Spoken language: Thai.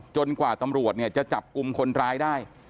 กว่าตำรวจเนี่ยจะจับกลุ่มคนร้ายได้